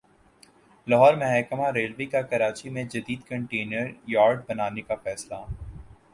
لاہور محکمہ ریلوے کا کراچی میں جدید کنٹینر یارڈ بنانے کا فیصلہ